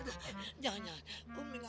jangan jangan ngomong ngomong tadi luar